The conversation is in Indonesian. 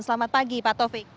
selamat pagi pak taufik